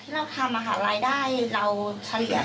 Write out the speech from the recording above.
ต่อเดือนหมุนก็เป็นล้านอะครับ